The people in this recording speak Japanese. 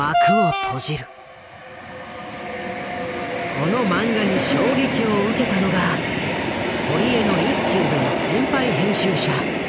この漫画に衝撃を受けたのが堀江の１期上の先輩編集者